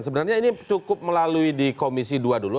sebenarnya ini cukup melalui di komisi dua dulu